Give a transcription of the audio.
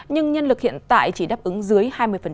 nhưng nhân lực hiện tại chỉ đáp ứng dưới hai mươi